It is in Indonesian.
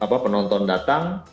setelah penonton datang